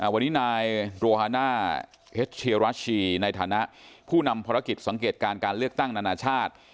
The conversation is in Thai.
วันนี้นายโรฮาน่าเอสเชียราชีในฐานะผู้นำภารกิจสังเกตการการเลือกตั้งนานาชาติ